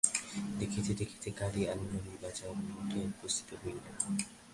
দেখিতে দেখিতে গাড়ী আলমবাজার মঠে উপস্থিত হইল।